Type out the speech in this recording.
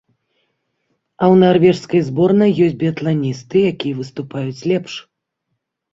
А ў нарвежскай зборнай ёсць біятланісты, якія выступаюць лепш.